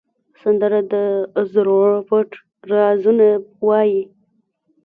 سندره د زړه پټ رازونه وایي